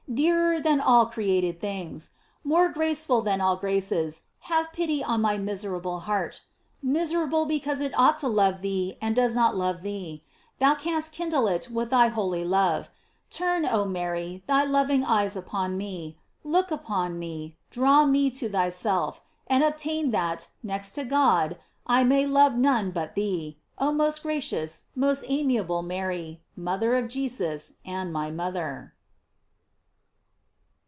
dearer than all created things! more graceful than all graces! have pity on my miserable heart. Miserable because it ought to love thee and does not love thee. Thou canst kindle it with thy holy love. Turn, oh Mary, thy loving eyes upon me, look upon me, draw me to thyself, and obtain that, next to God, I may love none but thee, oh most gracious, most amiable Mary, mother of Jesus, and my mother.